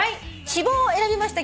「疲れ」を選びました